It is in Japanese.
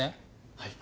はい。